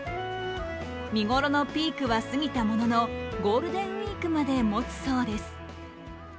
見頃のピークは過ぎたものの、ゴールデンウイークまでもつそうです。